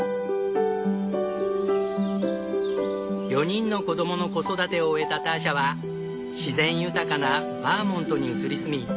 ４人の子供の子育てを終えたターシャは自然豊かなバーモントに移り住み